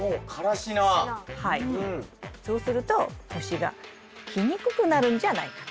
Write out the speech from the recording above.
そうすると虫が来にくくなるんじゃないかな。